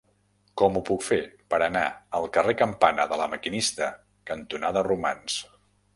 Com ho puc fer per anar al carrer Campana de La Maquinista cantonada Romans?